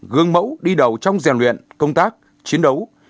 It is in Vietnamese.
gương mẫu đi đầu trong rèn luyện công tác chiến đấu